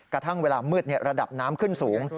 กระทั่งเวลามืดระดับน้ำขึ้นสูง